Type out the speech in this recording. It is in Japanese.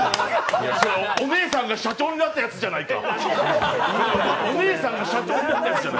お姉さんが社長になったやつじゃないか！